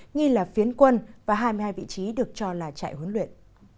nghi là phiến quân và hai mươi hai vị trí được cho là trại huấn luyện